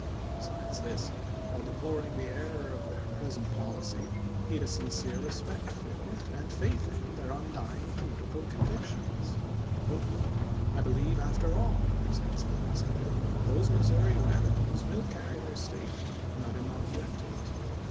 Besides this, while deploring the error of their pres ent policy, he had a sincere respect for, and faith in, their undying political convictions. " I believe after all," he said some weeks later, " those Mis souri Radicals will carry their State, and I do not object to it.